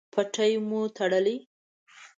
پټۍ مو تړلی؟